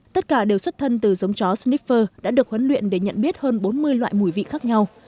tất cả đều xuất thân từ giống chó sniffer đã được huấn luyện để nhận biết hơn bốn mươi loại mùi vị khác nhau